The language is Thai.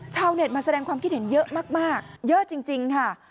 ชาวเน็ตมาแสดงความคิดเห็นเยอะมากเยอะจริงค่ะ